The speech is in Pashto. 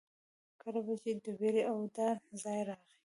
کله به چې د وېرې او ډار ځای راغی.